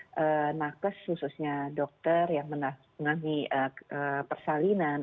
ada nakes khususnya dokter yang menangani persalinan